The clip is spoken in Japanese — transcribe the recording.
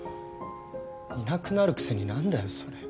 いなくなるくせになんだよそれ。